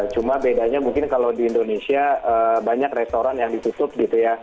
cuma bedanya mungkin kalau di indonesia banyak restoran yang ditutup gitu ya